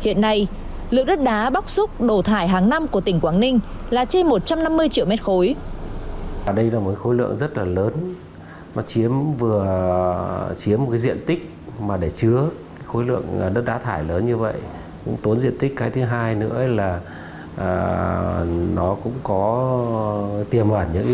hiện nay lượng đất đá bóc xúc đồ thải hàng năm của tỉnh quảng ninh là trên một trăm năm mươi triệu m ba